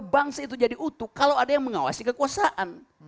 bangsa itu jadi utuh kalau ada yang mengawasi kekuasaan